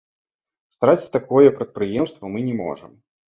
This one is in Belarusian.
Страціць такое прадпрыемства мы не можам.